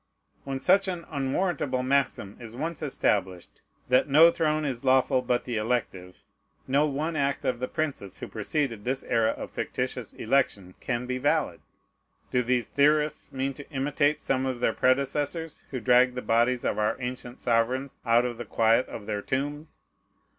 When such an unwarrantable maxim is once established, that no throne is lawful but the elective, no one act of the princes who preceded this era of fictitious election can be valid. Do these theorists mean to imitate some of their predecessors, who dragged the bodies of our ancient sovereigns out of the quiet of their tombs?